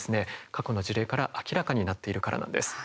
過去の事例から明らかになっているからなんです。